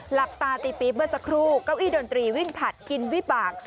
หลับตาตีปีบเบอร์สกรูก้าวอี้ดนตรีวิ่งผัดกินวิบาก